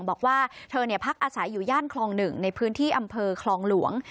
บอกว่าเธอพักอาศัยอยู่ย่านคลอง๑ในพื้นที่อำเภอคลองหลวง